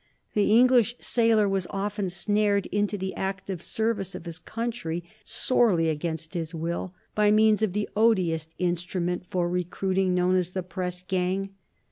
The English sailor was often snared into the active service of his country sorely against his will by means of the odious instrument for recruiting known as the press gang.